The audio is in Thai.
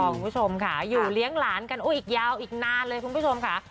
คุณผู้ชมค่ะอยู่เลี้ยงหลานกันอีกยาวอีกนานเลยคุณผู้ชมค่ะ